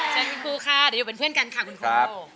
เชิญคุณครูค่ะเดี๋ยวอยู่เป็นเพื่อนกันค่ะคุณครู